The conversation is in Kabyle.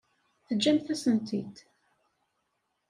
Teǧǧamt-asen-t-id.